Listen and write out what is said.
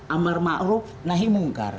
amar ma'ruf nahi mungkar